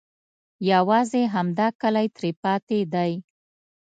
یوازې همدا کلی ترې پاتې دی.